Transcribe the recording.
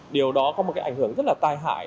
điều đó có một cái ảnh hưởng rất là tai hại